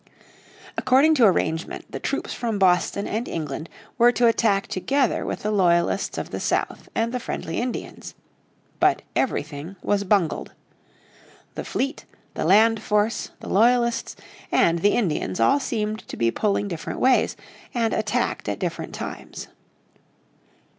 According to arrangement the troops from Boston and England were to attack together with the loyalists of the south and the friendly Indians. But everything was bungled. The fleet, the land force, the loyalists and the Indians all seemed to be pulling different ways, and attacked at different times.